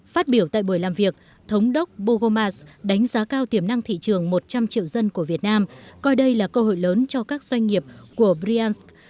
phát biểu tại buổi làm việc thống đốc bogomars đánh giá cao tiềm năng thị trường một trăm linh triệu dân của việt nam coi đây là cơ hội lớn cho các doanh nghiệp của bryansk